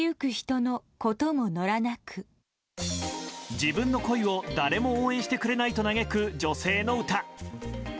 自分の恋を誰も応援してくれないと嘆く女性の歌。